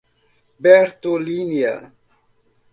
Bertolínia